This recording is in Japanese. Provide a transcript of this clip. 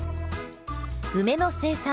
梅の生産